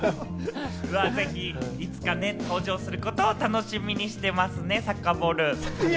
いつかぜひ登場することを楽しみにしてますね、サッカーボール。